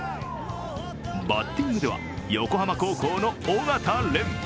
バッティングでは横浜高校の緒方蓮。